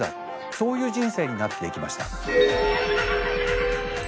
そういう人生になっていきました。